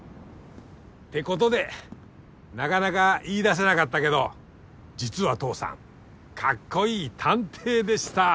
ってことでなかなか言いだせなかったけど実は父さんカッコイイ探偵でした。